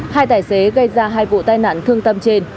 hai tài xế gây ra hai vụ tai nạn thương tâm trên